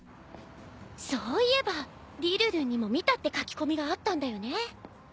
そういえばりるるんにも見たって書き込みがあったんだよね。